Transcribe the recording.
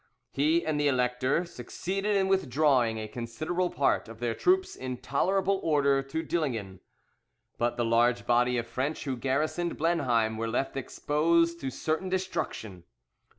He and the Elector succeeded in withdrawing a considerable part of their troops in tolerable order to Dillingen; but the large body of French who garrisoned Blenheim were left exposed to certain destruction.